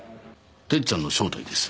「てっちゃん」の正体です。